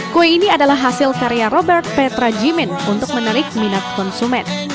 kue ini adalah hasil karya robert petrajimin untuk menarik minat konsumen